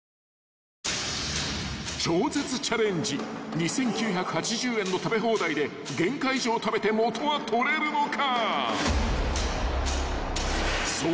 ２，９８０円の食べ放題で原価以上食べて元は取れるのか］